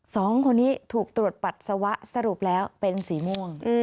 สองคนนี้ถูกตรวจปัสสาวะสรุปแล้วเป็นสีม่วง